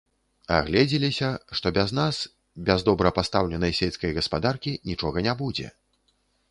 Агледзеліся, што без нас, без добра пастаўленай сельскай гаспадаркі, нічога не будзе.